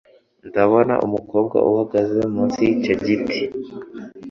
Ndabona umukobwa uhagaze munsi yicyo giti.